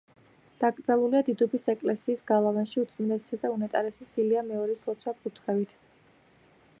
დაკრძალულია დიდუბის ეკლესიის გალავანში უწმინდესისა და უნეტარესის ილია მეორის ლოცვა-კურთხევით.